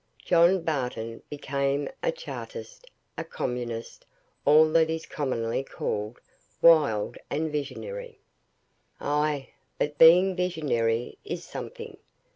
John Barton became a Chartist, a Communist, all that is commonly called wild and visionary. Ay! but being visionary is something.